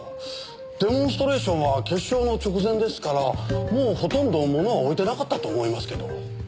デモンストレーションは決勝の直前ですからもうほとんど物は置いてなかったと思いますけど。